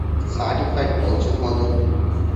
ސާޓިފައިޑް ކޯޗުން ހޯދުން